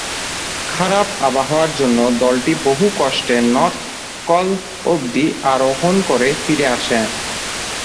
খারাপ আবহাওয়ার জন্য দলটি বহু কষ্টে নর্থ কল অব্দি আরোহণ করে ফিরে আসে।